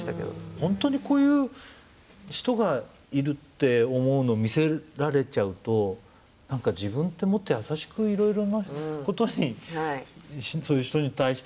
本当にこういう人がいるって思うのを見せられちゃうと何か自分ってもっと優しくいろいろなことにそういう人に対してもとかいろいろ思っちゃうよね。